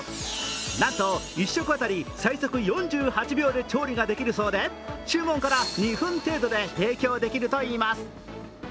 なんと１食当たり最速４８秒で調理ができるそうで注文から２分程度で提供できるといいます。